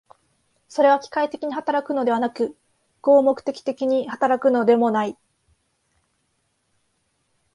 それは機械的に働くのではなく、合目的的に働くのでもない。